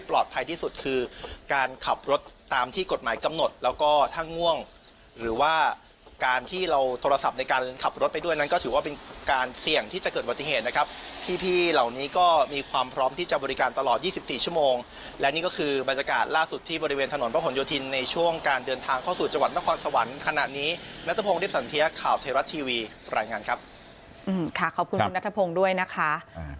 ประการหนึ่งก็คงจะลักษณะไม่กล้าเกรงในทางสู่ภาคเหนือนะครับประการหนึ่งก็คงจะลักษณะไม่กล้าเกรงในทางสู่ภาคเหนือนะครับประการหนึ่งก็คงจะลักษณะไม่กล้าเกรงในทางสู่ภาคเหนือนะครับประการหนึ่งก็คงจะลักษณะไม่กล้าเกรงในทางสู่ภาคเหนือนะครับประการหนึ่งก็คงจะลักษณะไม่กล้าเกร